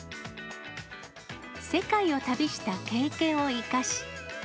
世界を旅した経験を生かし。